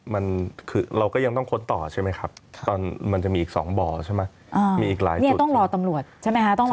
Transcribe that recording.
มันจะรอคำสั่งจากเท่าไหร่ที่ตำรวจ